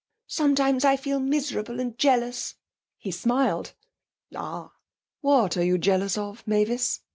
'Sometimes I feel miserable and jealous.' He smiled. 'Ah! What are you jealous of, Mavis?'